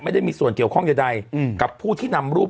ไม่ได้มีส่วนเกี่ยวข้องใดกับผู้ที่นำรูป